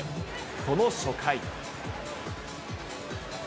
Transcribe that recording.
その初回。